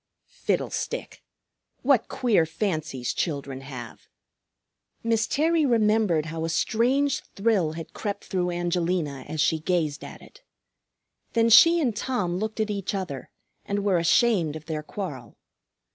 Fiddlestick! What queer fancies children have! Miss Terry remembered how a strange thrill had crept through Angelina as she gazed at it. Then she and Tom looked at each other and were ashamed of their quarrel.